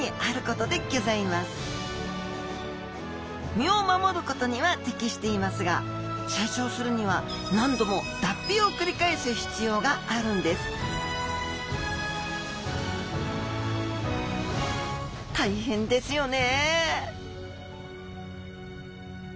身を守ることには適していますが成長するには何度も脱皮を繰り返す必要があるんです大変ですよね